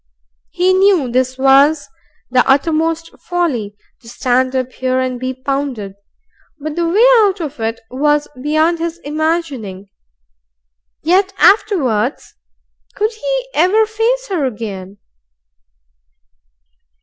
He knew this was the uttermost folly, to stand up here and be pounded, but the way out of it was beyond his imagining. Yet afterwards ? Could he ever face her again?